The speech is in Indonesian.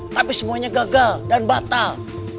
tapi semuanya gagal dan batal